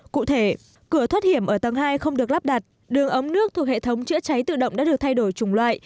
cụ thể cửa thoát hiểm ở tầng hai không được lắp đặt đường ống nước thuộc hệ thống chữa cháy tự động đã được thay đổi chủng loại